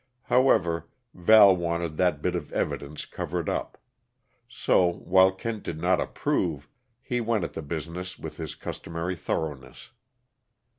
However, Val wanted that bit of evidence covered up; so, while Kent did not approve, he went at the business with his customary thoroughness.